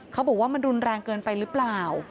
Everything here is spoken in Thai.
เขาบอกว่ามันรุนแรงเกินไปหรือเปล่า